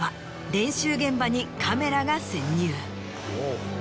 練習現場にカメラが潜入。